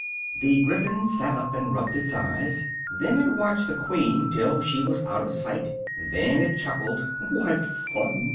The Gryphon sat up and rubbed its eyes: then it watched the Queen till she was out of sight: then it chuckled. "What fun!"